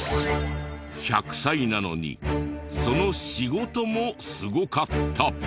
１００歳なのにその仕事もすごかった！